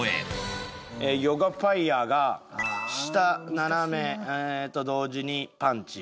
ヨガファイヤーが下斜めと同時にパンチ。